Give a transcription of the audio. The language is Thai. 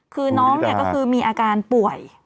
คือน้องเนี่ยก็คือมีอาการป่วย